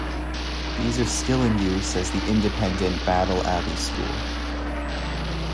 These are still in use as the independent Battle Abbey School.